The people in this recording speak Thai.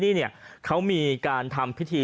สมหวังก็ไปตามกันบางคนได้โชคได้